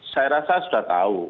saya rasa sudah tahu